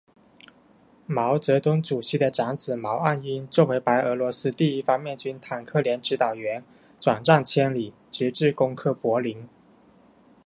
毛泽东主席的长子毛岸英作为白俄罗斯第一方面军坦克连指导员，转战千里，直至攻克柏林。